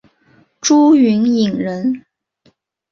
朱云影人。